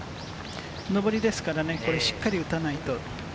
上りですから、しっかり打たないと。